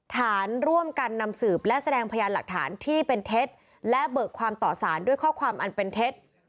ฐานร่วมกันนำสืบและแสดงพยานหลักฐานที่เป็นเท็จและเบิกความต่อสารด้วยข้อความอันเป็นเท็จ